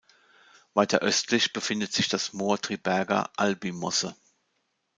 Weiter östlich befindet sich das Moor Triberga-Alby-mosse.